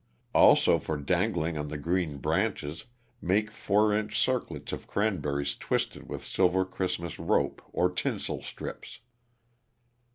Also for dangling on the green branches, make four inch circlets of cranberries twisted with silver Christmas rope or tinsel strips.